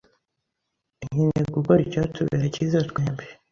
nkeneye gukora icyatubera cyiza twembi.